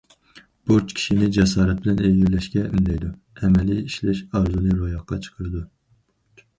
بۇرچ كىشىنى جاسارەت بىلەن ئىلگىرىلەشكە ئۈندەيدۇ، ئەمەلىي ئىشلەش ئارزۇنى روياپقا چىقىرىدۇ.